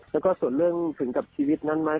แล้วก็ส่วนเรื่องถึงกับชีวิตนั้นไหม